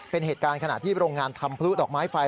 เป็นเหตุการณ์ขณะที่โรงงานทำพลุดอกไม้ไฟ